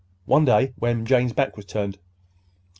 —one day when Jane's back was turned.